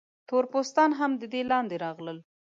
تور پوستان هم د دې لاندې راغلل.